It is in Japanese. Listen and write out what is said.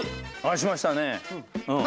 しましたね。